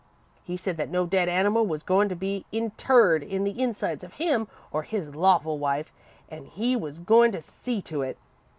"He said that no dead animal was goin' to be interred in the insides of him or his lawful wife, an' he was goin' to see to it.